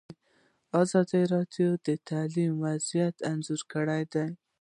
ازادي راډیو د تعلیم وضعیت انځور کړی.